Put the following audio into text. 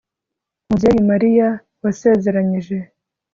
mubyeyi mariya, wasezeranyije